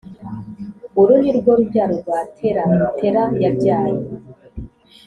Uru ni rwo rubyaro rwa tera tera yabyaye